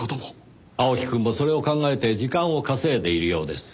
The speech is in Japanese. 青木くんもそれを考えて時間を稼いでいるようです。